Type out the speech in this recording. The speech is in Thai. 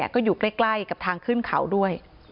ก็อยู่ใกล้กับทางขึ้นเขาด้วย